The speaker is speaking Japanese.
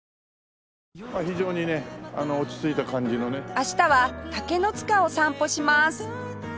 明日は竹ノ塚を散歩します